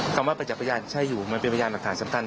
คำว่าประจักษ์พยานใช่อยู่มันเป็นพยานหลักฐานสำคัญ